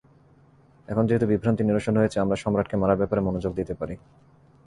এখন যেহেতু বিভ্রান্তির নিরসন হয়েছে, আমরা সম্রাটকে মারার ব্যাপারে মনোযোগ দিতে পারি।